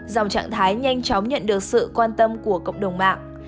dòng trạng thái nhanh chóng nhận được sự quan tâm của cộng đồng mạng